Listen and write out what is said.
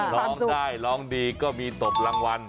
ร้องได้ร้องดีก็มีตบรางวัล